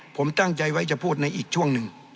ผมตั้งใจไว้จะพูดในอีกช่วงหนึ่ง